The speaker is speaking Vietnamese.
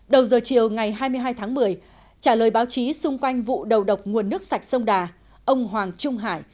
đầu giờ chiều ngày hai mươi hai tháng một mươi trả lời báo chí xung quanh vụ đầu độc nguồn nước sạch sông đà ông hoàng trung hải